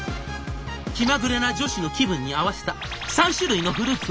「気まぐれな女子の気分に合わせた３種類のフルーツをミックス！